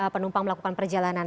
penumpang melakukan perjalanan